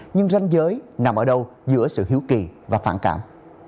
nhưng ranh giới nằm ở đâu giữa sự hiếu kỳ và phản cảm